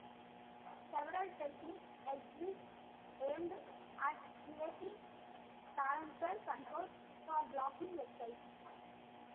Several techniques exist aimed at creating parental controls for blocking websites.